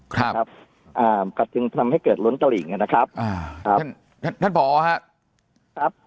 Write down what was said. ครับครับอ่าก็จึงทำให้เกิดล้นกะหรี่อย่างนี้นะครับอ่าครับท่านท่านผอฮะครับ